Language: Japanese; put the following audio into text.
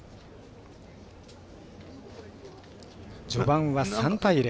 序盤は３対０。